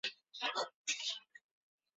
巴尔杜人口变化图示